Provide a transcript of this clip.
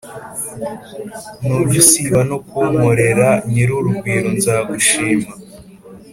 Ntujya usiba no kunkoreraNyir’urugwiro nzagushima